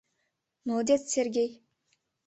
— Молодец, Сергей!